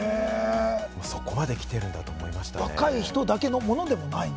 そこまで来てるんだと思いましたね。